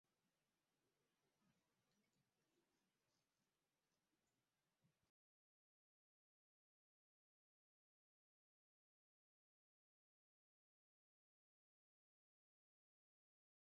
La monteto super la preĝejo eĉ hodiaŭ tiel aspektas.